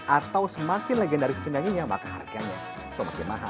atau semakin legendaris penyanyinya maka harganya semakin mahal